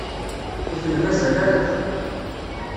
Ur ten-mazal ara da.